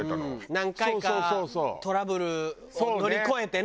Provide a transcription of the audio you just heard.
何回かトラブルを乗り越えてね。